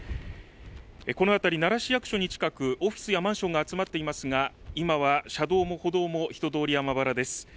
この辺り、奈良市役所に近くオフィスやマンションが集まっていますが今は車道も歩道も人通りはまばらです。